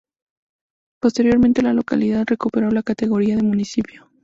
Posteriormente, la localidad recuperó la categoría de municipio.